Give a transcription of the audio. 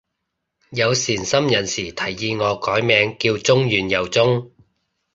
有善心人士提議我改名叫中完又中